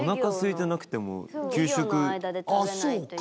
あそうか。